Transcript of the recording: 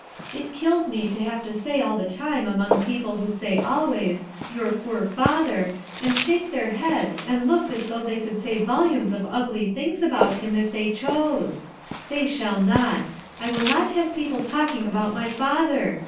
It kills me to have to stay all the time among people who gay always; 'Your poor father!* and shake their heads and look as though they could say volumes of ugly things about him if they chose. They shall notl I will not have people talking about my father